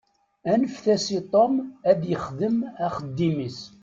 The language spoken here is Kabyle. Anfet-as i Tom ad ixdem axeddim-is.